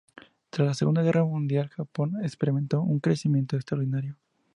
Tras la Segunda Guerra Mundial Japón experimentó un crecimiento extraordinario.